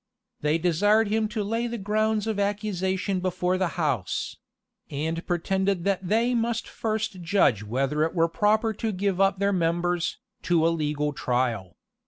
They desired him to lay the grounds of accusation before the house; and pretended that they must first judge whether it were proper to give up their members, to a legal trial.